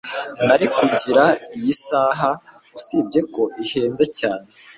nari kugura iyi saha, usibye ko ihenze cyane